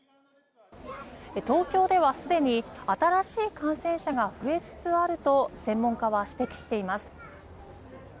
東京ではすでに新しい感染者が増えつつあると専門家は指摘しています。